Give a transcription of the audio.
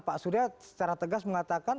pak surya secara tegas mengatakan